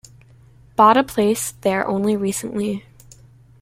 Bought a place there only recently.